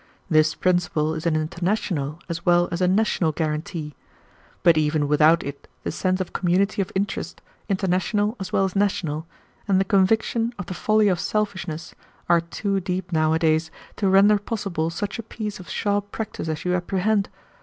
"This principle is an international as well as a national guarantee; but even without it the sense of community of interest, international as well as national, and the conviction of the folly of selfishness, are too deep nowadays to render possible such a piece of sharp practice as you apprehend.